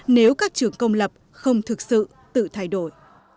nếu các trường công lập không thực sự tự thay đổi